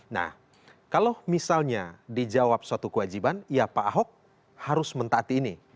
nah kalau misalnya dijawab suatu kewajiban ya pak ahok harus mentaati ini